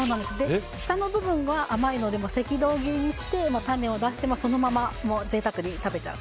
下の部分が甘いので赤道切りにして種を出してそのまま贅沢に食べちゃう。